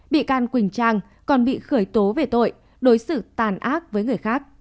bị can quỳnh trang còn bị khởi tố về tội đối xử tàn ác với người khác